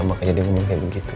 makanya dia ngomong kayak begitu